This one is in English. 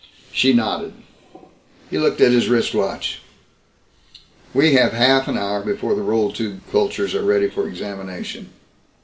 She nodded. He looked at his wrist watch. "We have half an hour before the roll tube cultures are ready for examination.